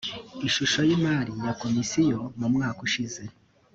ishusho y’imari ya komisiyo mu mwaka ushize